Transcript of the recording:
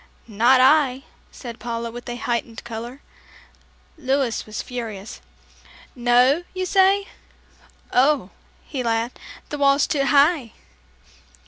"Not I," said Paula, with a heightened color. Louis was furious. "No, you say? Oh," he laughed, "the wall's too high."